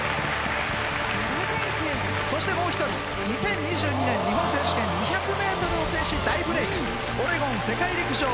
そしてもう１人２０２２年日本選手権２００ｍを制し大ブレーク。